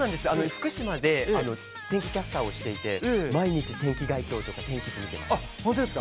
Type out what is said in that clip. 福島で天気キャスターをしていて、毎日天気概況とか、天気図見てます。